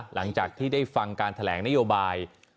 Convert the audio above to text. หลังจากที่ได้ฟังการแถลงนโยบาย